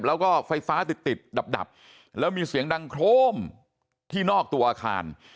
แล้วก็ไฟฟ้าติดติดดับแล้วมีเสียงดังโครมที่นอกตัวอาคาร